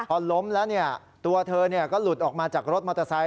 พอล้มแล้วตัวเธอก็หลุดออกมาจากรถมอเตอร์ไซค